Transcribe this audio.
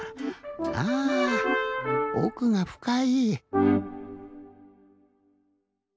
あぁおくがふかい。